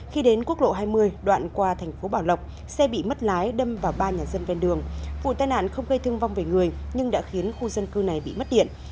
khi đến quốc lộ hai mươi đoạn qua thành phố bảo lộc xe bị mất lái đâm vào ba nhà dân ven đường vụ tai nạn không gây thương vong về người nhưng đã khiến khu dân cư này bị mất điện